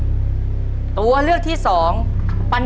ขอเชิญแสงเดือนมาต่อชีวิต